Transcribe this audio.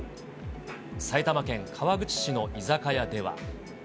埼玉県川口市の居酒屋では。